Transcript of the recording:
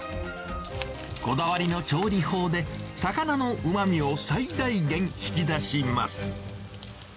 こだわりの調理法で、魚のうまみを最大限引き出します。